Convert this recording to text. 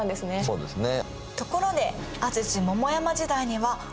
そうですね。